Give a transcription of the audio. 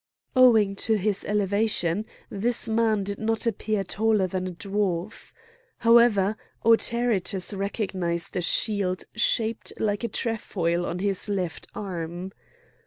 Owing to his elevation this man did not appear taller than a dwarf. However, Autaritus recognised a shield shaped like a trefoil on his left arm.